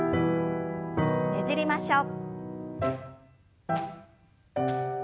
ねじりましょう。